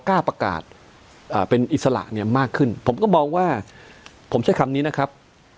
กล้าประกาศเป็นอิสระเนี่ยมากขึ้นผมก็มองว่าผมใช้คำนี้นะครับ